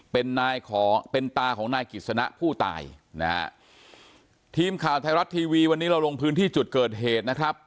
เป็นนายขอเป็นตาของนายกิจสนะผู้ตายนะฮะทีมข่าวไทยรัฐทีวีวันนี้เราลงพื้นที่จุดเกิดเหตุนะครับ